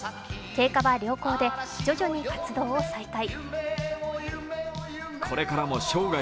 経過は良好で徐々に活動を再開。